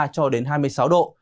hai mươi ba cho đến hai mươi sáu độ